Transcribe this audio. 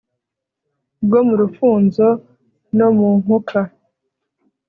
bwo mu rufunzo no mu nkuka